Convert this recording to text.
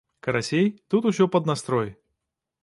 Карацей, тут усё пад настрой.